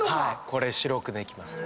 これ白くできます。